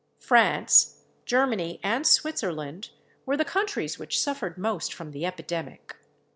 France, Germany, and Switzerland were the countries which suffered most from the epidemic.